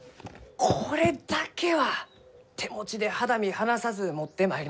これだけは手持ちで肌身離さず持ってまいりました！